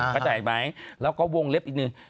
เข้าใจไหมแล้วก็วงเล็บอีกหนึ่ง